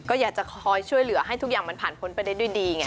ก็อยากจะคอยช่วยเหลือให้ทุกอย่างมันผ่านพ้นไปได้ด้วยดีไง